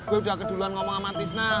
gue udah keduluan ngomong sama tisna